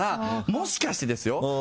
もしかしてですよ。